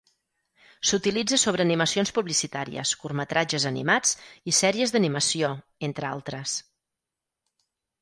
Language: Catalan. S'utilitza sobre animacions publicitàries, curtmetratges animats i sèries d'animació, entre altres.